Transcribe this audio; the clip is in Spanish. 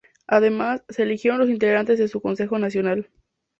Además, se eligieron los integrantes de su Consejo Nacional.